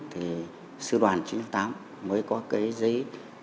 thì sư đoàn chín mươi tám mới có cái giấy